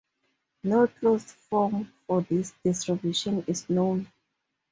No closed form for this distribution is known.